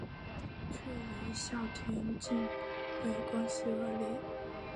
却与校田径队关系恶劣。